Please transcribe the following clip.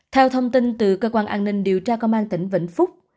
theo thông tin từ cơ quan an ninh điều tra công an tỉnh vĩnh phúc